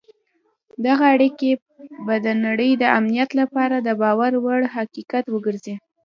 دغه اړیکي به د نړۍ د امنیت لپاره د باور وړ حقیقت وګرځي.